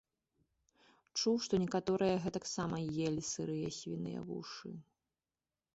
Чуў, што некаторыя гэтак сама елі сырыя свіныя вушы.